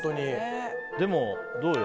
でも、どうよ？